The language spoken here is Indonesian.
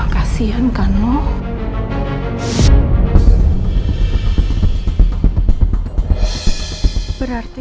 kasihan kamu berarti